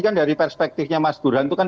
kan dari perspektifnya mas burhan itu kan